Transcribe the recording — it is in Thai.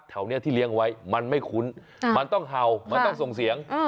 แถวนี้ที่เลี้ยงไว้มันไม่คุ้นมันต้องเห่ามันต้องส่งเสียง